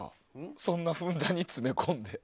そんなふんだんに詰め込んで。